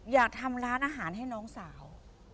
อยากทำร้านอาหารให้น้องสาว